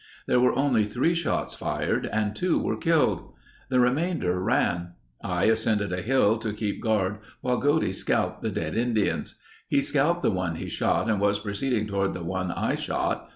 There were only three shots fired and two were killed. The remainder ran. I ... ascended a hill to keep guard while Godey scalped the dead Indians. He scalped the one he shot and was proceeding toward the one I shot.